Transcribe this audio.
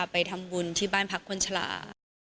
ไปทำบุญที่บ้านพักคนชะลา